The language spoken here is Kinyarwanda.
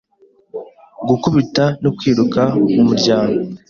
Gukubita no kwiruka mumuryango